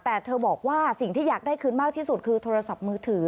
แต่เธอบอกว่าสิ่งที่อยากได้คืนมากที่สุดคือโทรศัพท์มือถือ